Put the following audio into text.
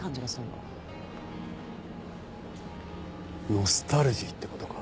ノスタルジーって事か。